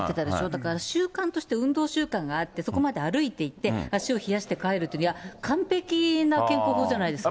だから、習慣として運動習慣があって、そこまで歩いて行って、足を冷やして帰るって、いや、完璧な健康法じゃないですか。